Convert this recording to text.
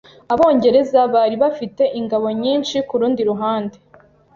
Abongereza bari bafite ingabo nyinshi kurundi ruhande. .